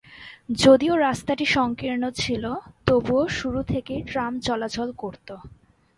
যদিও রাস্তাটি সংকীর্ণ ছিল, তবুও শুরু থেকেই ট্রাম চলাচল করত।